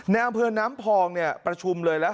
ในอำเภอน้ำพองประชุมเลยแล้ว